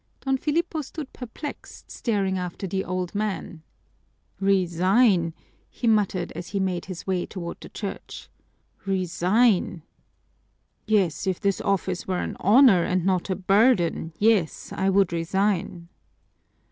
Don Filipo stood perplexed, staring after the old man. "Resign!" he muttered as he made his way toward the church. "Resign! Yes, if this office were an honor and not a burden, yes, I would resign."